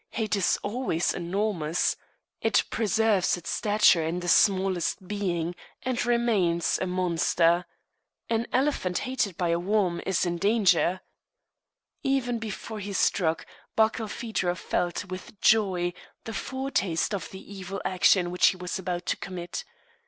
Hate is always enormous. It preserves its stature in the smallest being, and remains a monster. An elephant hated by a worm is in danger. Even before he struck, Barkilphedro felt, with joy, the foretaste of the evil action which he was about to commit.